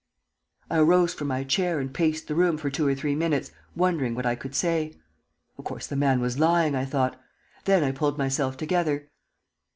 I arose from my chair and paced the room for two or three minutes, wondering what I could say. Of course the man was lying, I thought. Then I pulled myself together.